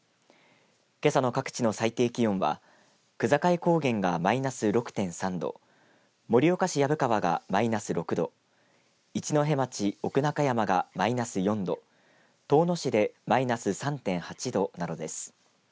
けさの各地の最低気温は区界高原がマイナス６．３度盛岡市藪川がマイナス６度一戸町奥中山がマイナス４度遠野市でマイナス３．８度などです。